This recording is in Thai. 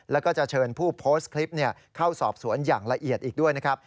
แล้วก็จะเชิญผู้โพสต์คลิปเข้าสอบสวนอย่างละเอียดอีกด้วยนะครับ